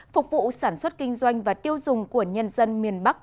phục vụ sản xuất kinh doanh và tiêu dùng của nhân dân miền bắc